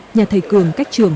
nhà thầy cường cách trường